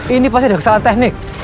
ini pasti ada kesalahan teknik